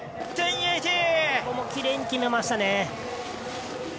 ここもきれいに決めましたね。